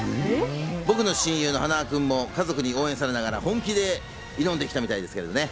僕の親友のはなわ君も家族に応援されながら本気で挑んできたみたいですけどね。